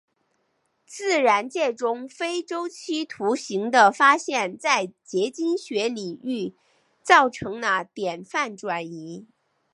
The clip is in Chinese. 自然界中非周期图形的发现在结晶学领域造成了典范转移。